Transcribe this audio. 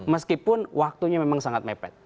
meskipun waktunya memang sangat mepet